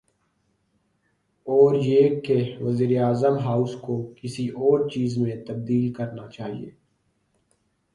اوریہ کہ وزیراعظم ہاؤس کو کسی اورچیز میں تبدیل کرنا چاہیے۔